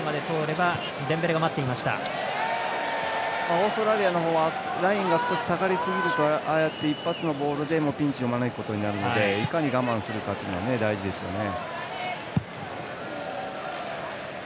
オーストラリアのほうはラインが下がりすぎるとああやって一発のボールでもピンチを招くことになるのでいかに我慢するかが大事ですね。